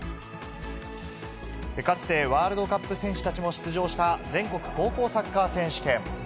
かつてワールドカップ選手たちも出場した全国高校サッカー選手権。